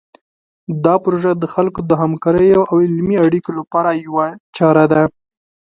دا پروژه د خلکو د همکاریو او علمي اړیکو لپاره یوه چاره ده.